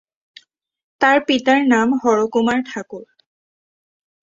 তার পিতার নাম হর কুমার ঠাকুর।